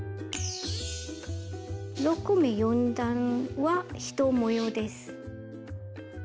６目４段は１模様です。